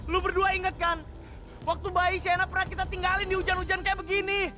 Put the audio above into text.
lu berdua inget kan waktu bayi shena pernah kita tinggalin di hujan hujan kayak begini